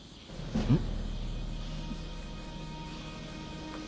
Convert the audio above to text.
うん。